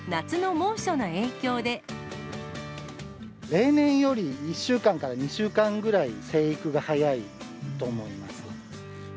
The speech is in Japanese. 例年より１週間から２週間ぐらい、生育が早いと思います。